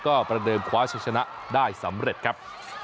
ก็ประเดิมคว้าชุดชนะได้สำเร็จครับ